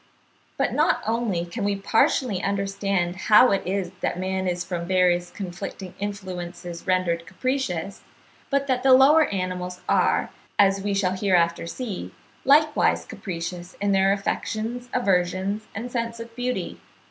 But not only can we partially understand how it is that man is from various conflicting influences rendered capricious, but that the lower animals are, as we shall hereafter see, likewise capricious in their affections, aversions, and sense of beauty.